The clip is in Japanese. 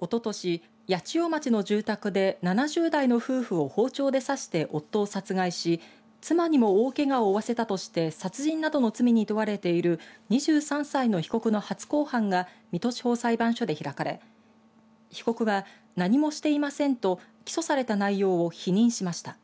おととし八千代町の住宅で７０代の夫婦を包丁で刺して夫を殺害し妻にも大けがを負わせたとして殺人などの罪に問われている２３歳の被告の初公判が水戸地方裁判所で開かれ、被告は何もしていませんと起訴された内容を否認しました。